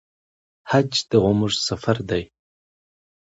حج د عمر سفر دی